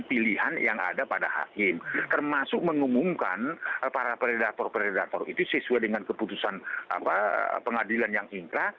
pilihan yang ada pada hakim termasuk mengumumkan para predator predator itu sesuai dengan keputusan pengadilan yang inkrah